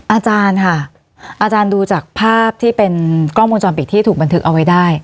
อาจารย์ค่ะอาจารย์ดูจากภาพที่เป็นกล้องวงจรปิดที่ถูกบันทึกเอาไว้ได้